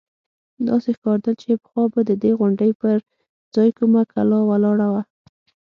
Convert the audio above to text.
داسې ښکارېدل چې پخوا به د دې غونډۍ پر ځاى کومه کلا ولاړه وه.